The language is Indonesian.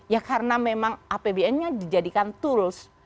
ya karena memang apbn nya dijadikan tools